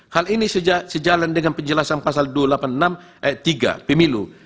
hal ini sejalan dengan penjelasan pasal dua ratus delapan puluh enam ayat tiga pemilu